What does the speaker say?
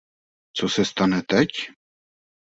Co se stane teď?